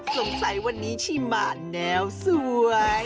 สงสัยวันนี้ชิมารแนวสวย